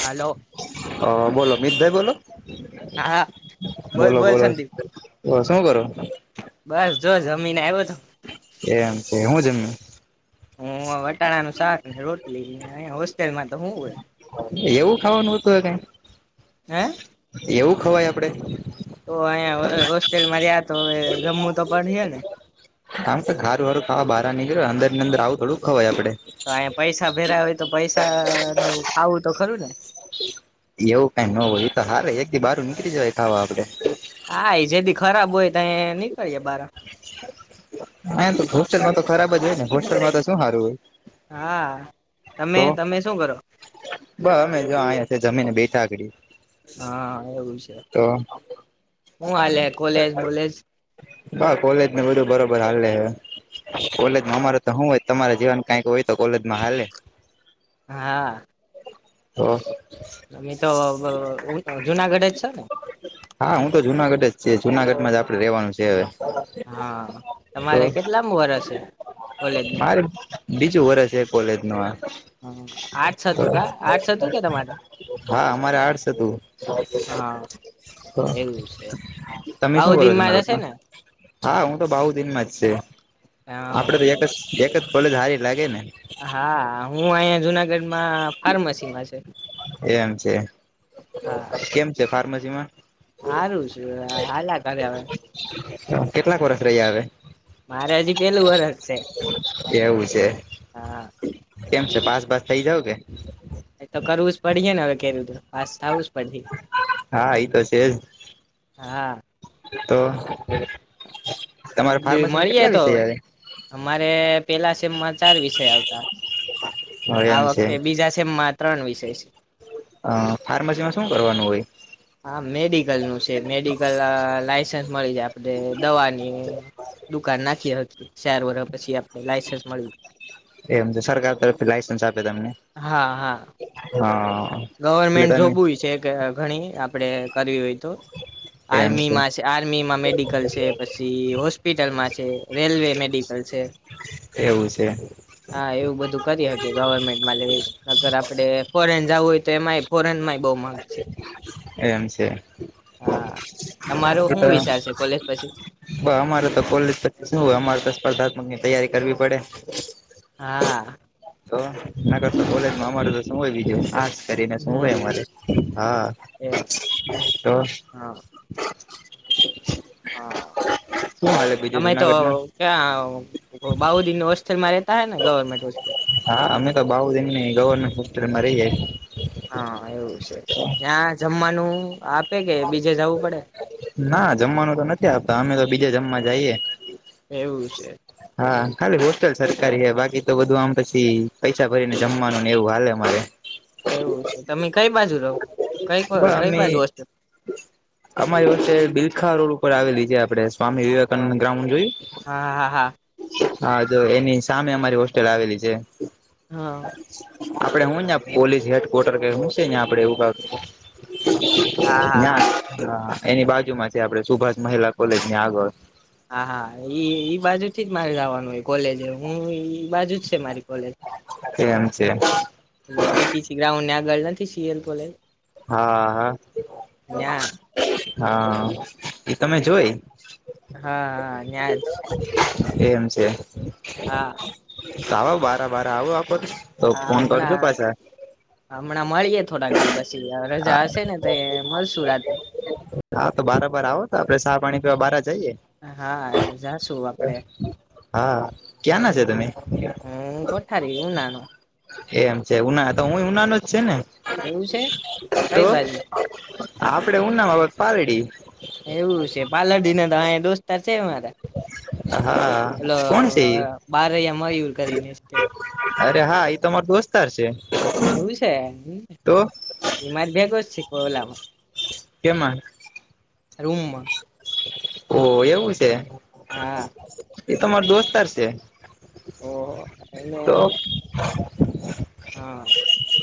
હાલો હ બોલો મિતભાઈ બોલો? હા બોલ બોલો બોલ બોલો. સંદીપ ઓ શું કરો? તને આવ્યો તો. એમ છે હું જમી? હુ વટાણાનું શાક રોટલી. હોસ્ટેલમાં તો હું હોય એવું ખાવાનું હતું એને. હે ખવાય આપણે? તો અહીયા હોસ્ટેલમાં રહ્યા તો હવે રમવું તો પડયે ને. હા બારા નીકળો અંદરથી અંદર આવું થોડું ખવાય આપડે. તો અહીયા પૈસા ભેરા હોય તો પૈસા નું ખાવું તો ખરું ને. એવું કઈ ન હોય એ તો હાર એક દી બહારુ નીકળી જાય ખાવા આપડે. હા એ જેદી ખરાબ હોય તએ નીકળી યે બહાર. હોસ્ટલ માં તો શું સારું હોય. હા તમે તો તમે શું કરો? બ અમે જો અયા જમીને બેઠા. હા એવું છે, તો હું હાલે કોલેજ બોલેજ. હા કોલેજ ને બધું બરોબર હાલે હવે, કોલેજ હા અમારે તો હોય. તમારા જીવન કાઈક હોય તો કોલેજમાં હાલે. હા. હો. અમે તો જુનાગઢ જ છો ને? હા હું તો જુનાગઢ જ છે જુનાગઢમાં જ આપડણે રેવાનું છે. હા તો તમારે કેટલામ વરસ છે? કોલેજ ન મારે બીજું વર્ષ એ કોલેજ નું. હ આર્ષ હતું કા આર્ષ હતું કે તમારું? હા અમારે આર્ટસ હતું. હા હ એવું છે તમે શું કરો બાઉદીન છો માં ના રત્ન? જશે ને હા હું તો બાવુ દિન માં જ છ, હા આપડે તો એક એવું છે જ એક જ ભલે જ હારી લાગે ને. હા હું અહીંયા જુનાગઢ એમ છે, કેમ છે ફાર્મસી માં? સારું છે હાલા કર્યાવે. કેટલાક વરષ રહી્યા અવે. મારે હજી પેલું વરષ છે, એવું છે હા. કેમ છે પાસ પાસ થઇ જાવ કે? એ તો કરવું જ પડે ને હવે કેવી રીતે પાસ થાવું હા એ તો છેજ. હા તો તમારે ફાર્મસીમાં મળીએ કેટલા તો વિષય આવે? અમારે પેલા સેમમાં ચાર વિષય આવતા. હવે આ એમ છે વખતે બીજા છેમમાં ત્રણ વિષય છે. અ ફાર્મસી માં શું કરવાનું હોય? હા મેડિકલ નું છે મેડિકલ લાઇસન્સ મળી જાય આપડે દવાની. દુકાન નાખી હતી શાર વર પછી આપને લાયસન્સ મળ્યું. એમ તો સરકાર તરફથી લાઈસન્સ આપે તમને, હા હા હા. એટલે ગવર્મેન્ટ તમે જોવું છે કે ઘણી આપડે કરવી હોય તો. આર્મીમાં છે આર્મીમાં મેડિકલ છે પછી હોસ્પિટલમાં છે રેલવે મેડિકલ છે. એવું. છે હા એવું બધું કરી શકી ગવર્મેન્ટમાં લ અગર આપડે ફોરેન જવું હોય તો એમાંય ફોરેનમાંય બહુ માલ છે એમ છે હા તમારો એ શું વિચાર છે કોલેજ પછી તો અમારે તો પોલીસ શું હોય અમારે તો સ્પર્ધાત્મક ની તૈયારી કરવી પડે હા તો ના કરશ કોલેજમાં અમારું તો સમય બીજું કરીને શું હોય હમ અમારે હા એ તો હ હા હા તમે તો જુનાગઢમાં ક્યાં બાઉદદીન હ હોસ્સ્ટલમાં રહેતા હને ગર્મેન્ટ હોસ્પિલ હા અમે તો બાઉુ એમ ન ગવર્મેન્ટ હોસ્પિટલમાં રહી જાય હા એવું છે ત્યાં જમવાનું આપે કે બીજે જવું પડે ના જમવાનું તો નથી આપતા અમે તો બીજે જમવા જઈએ એવું છે હા ખાલી હોસ્ટેલ સરકારી હ બાકી તો બધું આમ પછી પૈસા ભરીને જમવાનું ને એવું હાલે અમારે એવું છે તમે કઈ બાજુ રહો કઈ પણ કઈ અમે બાજુ હોસ્ટેલ અમારી વખતે બિલખા રોડ ઉપર આવેલી આપણે સ્વામી વિવેકાનંદ ગ્રાઉન્ડ જોયું હા હા હા હા હા તો એની સામે અમારી હોસ્ટેલ આવેલી છે હા આપડે હું ને પોલીસ હેડ કર્ટર કે હું છે ને આપડે એવું હા હા હા એની બાજુમાં છે આપડ સુભાષ મહિલા કોલેજ ની આગળ હા હા ઈ બાજુ થી જ મારે જવાનું હોય કોલેજ હું બાજુ છે મારી કોલેજ એમ છે પીસી ગ્રાઉન્ડ ઘનાથી શીએલપલે હા હા હા એ તમે જોય હા હા ન્યાંજ એમ છે આવો બાર બાર આવો આપ હ હમણાં હમણાં મળીએે થોડાક દિવસ રજા હશે ને તો મળશુરાત હા તો બારબર આવો તો આપડે સાાહ પાણી પીવા બહાર જઈએ હા જાશું આપડે હા ક્યાં ના છે તમે હું ના એમ છે ઉના તો હું ઉનાનો જ છે ને એવું છે કઈ તો બાજુ આપડે ઉના બાબત પારેડી એવું છે પાર્લર ના તો અ દોસ્તાર છે મારા હા હેલો કોણ છે ઈ બાર અમાંય કરીને અરે હા એ તમાર દસ્તાર છે એવું છે તો એમાં જ ભેગો જ શીખ ઓલામાં કેમાં રૂમમાં ઓ એવું છે હા એ તમાર દોસ્તાર છે તો એને તો હા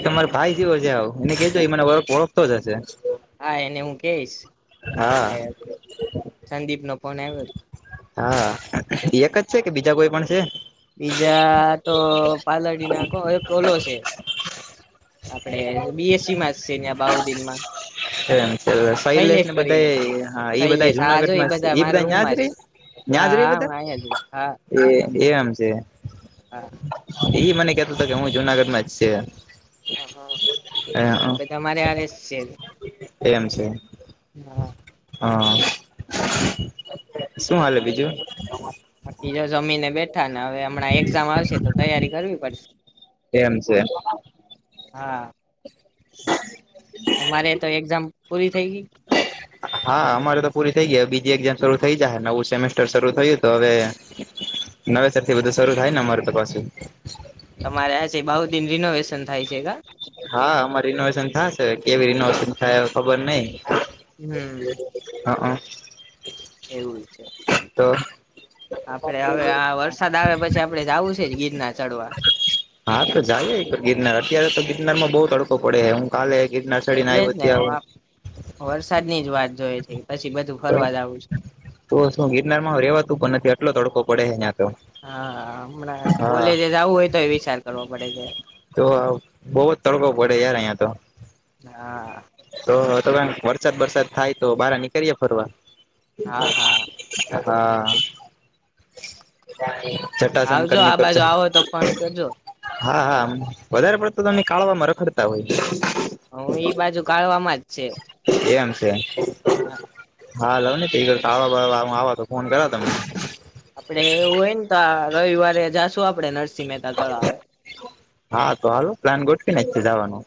એકમારો ભાઈ જેવો છે આવ એને કેજ મને વળખ ઓળખતો જ હશે હા એને હું કેઈશ કે હા સંદીપ નો ફોન આવ્યો હતો હા એક જ છે કે બીજા કોઈ પણ છે બીજા તો પાલડી ના કોણ એક ઓલો છે આપડે બીએસસીમાં છે ને બાવ દિનમાં એમ છે શૈલેષ ને બધા હા એ બધા શૈલેષ હા જો જુનાગઢમાં છે, એ બધા મારા અયાં જ રૂમમાં રેય છે ન્યાજ હા રેર હા બધા હું અહીંયા જ હા એ એમ છે. હા. એઈ મને કેતો હતો કે હું જુનાગઢમાં જ છે. હ હ પછી અમારે આરે છે. છે એમ છે. હા. હા. શું હાલે બીજું. બાકી જો જમીને બેઠા ને હવે હમણાં એક્ઝામ આવશે તો તૈયારી કરવી પડશે એમ છે. હા. [inaudible] તમારે તો એક્ઝામ પૂરી થઈ ગઈ [inaudible] હા અમારે તો પૂરી થઈ ગઈ હવે બીજી એક્ઝામ શરૂ થઈ જાય હે નવું સેમેસ્ટર શરૂ થયું તો હવે નવેસરથી બધું શરૂ થાય ને અમારે તો પાછું છેગા હા આમાં રિનોવેશન થશે કેવી રિનોવેશન થાય ખબર નઈ હમ. એવું છે. તો આપણે હવે આ વરસાદ આવે પછી આપણે જવું છે, જ ગીરનાર ચડવા હા તો જાયએ ગીરનાર અત્યારે તો ગીરનારમાં બોવ તડકો પડે હું કાલે ગિરનાર ચડીને એટલે જ આવ્યો ને ત્યાં વરસાદની જ વાત જોઈ છે પછી બધું તો ફરવા જ આવું છે. તો શું ગિરનારમાં રેવાતું પણ નથી આટલો તડકો પડે હેને આતો હા હમણાં કૉલેજે જાવું હોય તો એ વિચાર કરવો પડે છે. તો બોવ જ તડકો પડે યાર અહિયા તો હા. તો તો [unintelligible] વરસાદ બરસાદ થાય તો બહાર નીકળીએ ફરવા હા હા હા. [inaudible] આવજો આ બાજુ આવો તો ફોન કરજો હા હા વધારે પડતો તમને કાળવામાં રખડતા હોય. હ એ બાજુ કાળવામાં જ છે. એમ છે. હા. હા લાવ ને [unintelligible] કર કાળવા [unintelligible] આવ તો ફોન કરા તમે આપડે એવું હોય ને તો રવિવારે જાશું આપડે નરસિંહ મહેતા તળાવે હા તો હાલો પ્લાન ગોઠવી નાખીયે જાવાનો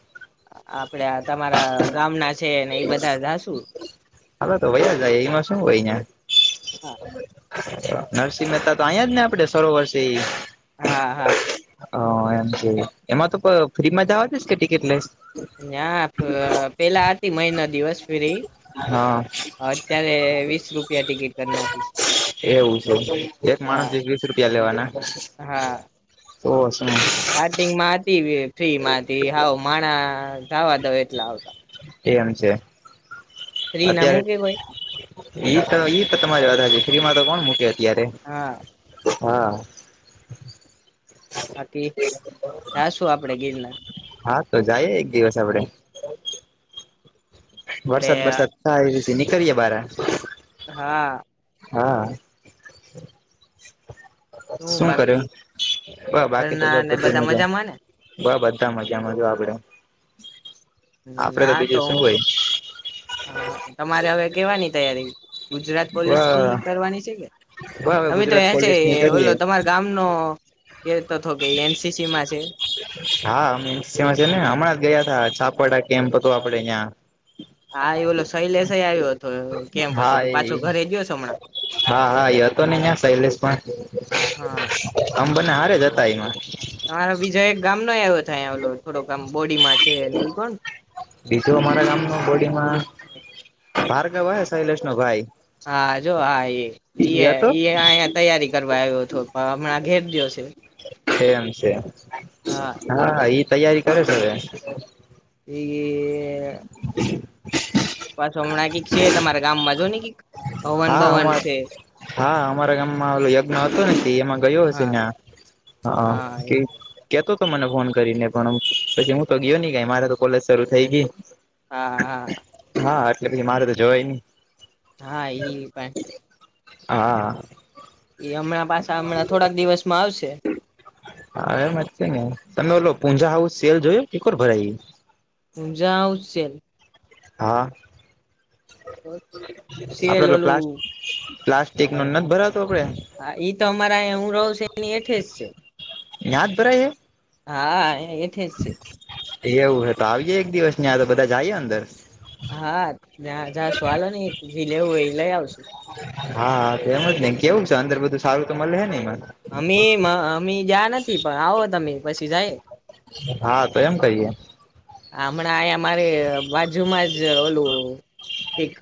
આપડે આ તમારા ગામના છે ને એ બધા જાશું હાલો તો [unintelligible] જાય એમાં શું હોય અંયા હા. નરસિંહ મહેતા તો અંયા જ ને આપડે સરોવરસે ઈ હા હા હ એમ કેય એમાં તો ફ્રીમાં જવા દસ કે ટિકિટ લેસ ના પેલાતી મહિનો દિવસ ફ્રી હા અત્યારે વીસ રૂપિયા ટિકિટ કરી નાખીશ એવું છે એક માણસ હા વીસ વીસ રૂપિયા લેવાના હા તો શું સ્ટાર્ટિંગમાં હતી ફ્રીમાંથી હાવ માણા જાવા દાવ એટલા આવતા એમ છે ફ્રી ના અત્યારે મૂકે કોઈ ઈ તો ઈ તો તમારે [unintelligible] બધા છે [unintelligible] ફ્રીમાં તો કોણ મૂકે અત્યારે હા હા બાકી જાશું આપડે ગિરનાર હા તો જઈ એક દિવસ આપડે આપડે વરસાદ બરસાદ થાય એ રીતે નીકળએે બારે હા હા શું કર્યું બ બાકી તો જો ઘરના ને બધુ બધા મજા મજામાં ને બ બધા મજામા જો આપડે આપડે ના તો બીજું હું શું કે હા તમારે હવે કેવાની તૈયારી ગુજરાત પોલીસની હોય કરવાની છે કે બ હવે તમે તો ગુજરાત એ છે પોલીસ ની ઓલો કરીએ તમાર ગામનો કે તો થો કે એન. સી. સી માં છે હા [unintelligible] માં છે ને હમણાં જ ગયા હતા છાપડા કેમ્પ હતો આપડે અયા હા એ ઓલો શૈલેષ એ આવ્યો હતો કેમ્પ હતો હા તો એ પાછો ઘરે ગયો છે હમણાં હા હા એ હતો ને શૈલેષ હા પણ બને હારે જતા એમાં તમારા બીજા એક ગામ નો આવો થાયલો થોડોકામ બોડીમાં છે એ કોણ બીજું અમારા ગામમાં બોડીમાં ભારગવ હે શૈલેષ નો ભાઈ હા જો હા એ ઇ ઇ એ હતો અહીયા તૈયારી કરવા આવ્યો હતો પણ હમણાં ઘેર ગયો છે એમ છે હા ઈ તૈયારી કરે છે હવે ઇ બસ હમણાં કિંક છે તમારા ગામમાં જો નેકી હવન હા ભવન અમા છે હા અમારા ગામમાં ઓલો યજ્ઞ હતોને તે એમાં ગયો હશે હા ના હા કે કેતો હતો મને ફોન કરીને પણ પછી, હું તો ગયો નહી ગઈ મારે તો કોલેજ શરૂ‌ થઈ ગઈ. હા હા હા એટલે મારે તો જવાય નઇ હા ઇ પણ છે હા એ હમણાં પાછા હમણાં થોડાક દિવસમાં આવશે. હા એમ છે ને, તમે ઓલો પૂંઝા હાઉસ સેલ જોયો કી કોર ભરાય ઇ. પૂજા હોલ સેલ હા સેલ આપડે પ્લા ઓલું પ્લાસ્ટિક નત ભરાતો આપડે હા, ઇ તો અમારા હું રહું છુ એની હેઠે જ છે. ન્યા જ ભરાય હે? હા હેઠે જ છે. એવું હે, તો આવીયે એક દિવસ ન્યા તો બધા જઈએ અંદર હા જાશું હાલોને લેવુંય એ લઈ આવશું. એમજ ને કેવું છે અંદર બધું સારું તો મળે હે નેઇમાં? અમે અમે ગયા નથી પણ આવો તમે પછી જાય. હા તો એમ કરીએ. હમણાં આયા મારે બાજુમાં જ ઓલું એક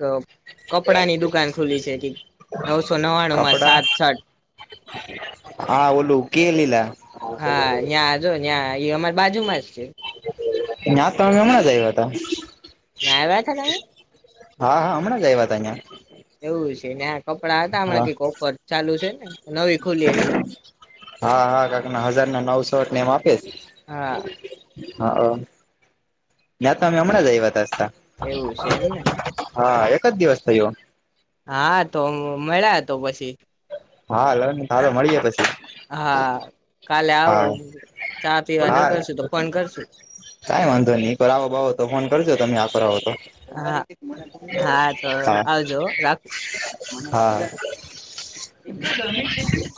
કપડાની દુકાન ખુલ્લી છે, નવસો નવાણું માં કપડા સાત શર્ટ હા ઓલું કે લિલા ઇ અમાર બાજુમાંજ છે. ના તો હમણાં જ આયવતા ન્યા‌ આયવા છે ને? હા હમણાં જ આવ્યા હતા ત્યાં એવું છે, ને કપડા હતા હા હમણા [unintelligible] ચાલુ છે. ને નવી ખુલી એટલે હા હા કાક ના હજારના નવ શર્ટ ને એમ આપેસ હા હા ન્યા તો અમે હમણાં જ આવ્યા જ તાતા એવું છે એમને હા એક જ દિવસ થયો. હા તો મળયા તો પછી હા લન હાલો મળયે પછી હા કાલે આવો હા ચા પીવા હા. નીકળશું તો ફોન કરશું કાઈ વાંધો ની ઇ કોર આવો બાવો તો ફોન કરજો તમે આ કોર હા હા તો હા આવજો રા હા એટલે ગમે તેટલી